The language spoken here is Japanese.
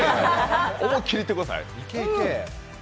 思いっきりいってください。